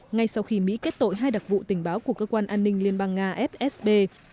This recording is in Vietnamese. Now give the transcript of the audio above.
ngay sau khi mỹ kết tội hai đặc vụ tình báo của cơ quan an ninh liên bang nga fsb